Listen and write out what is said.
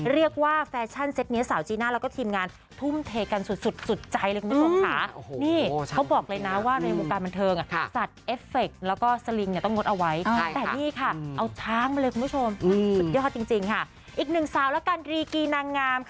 เรียกว่าแฟชั่นเซ็ตเนื้อสาวจีน่าแล้วก็ทีมงาน